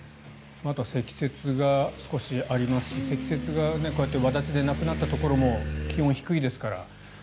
あとは積雪が少しありますし積雪がこうやってわだちでなくなったところも気温、低いですから。